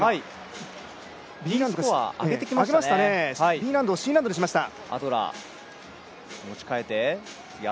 Ｂ難度をＣ難度にしました。